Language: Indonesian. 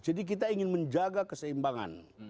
jadi kita ingin menjaga keseimbangan